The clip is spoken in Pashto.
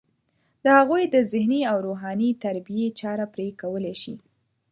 د هغوی د ذهني او روحاني تربیې چاره پرې کولی شي.